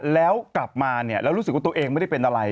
แล้วกลับมาเนี่ยแล้วรู้สึกว่าตัวเองไม่ได้เป็นอะไร